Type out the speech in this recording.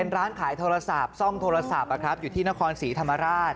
ร้านขายโทรศัพท์ซ่อมโทรศัพท์อยู่ที่นครศรีธรรมราช